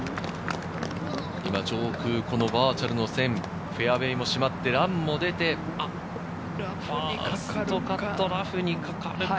上空、バーチャルの線、フェアウエーもしまって、ランも出て、ちょっとラフにかかるか？